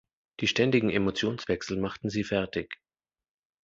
Die ständigen Emotionswechsel machten sie fertig.